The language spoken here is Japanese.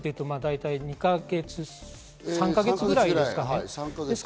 大体２か月・３か月ぐらいです。